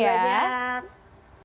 iya terima kasih banyak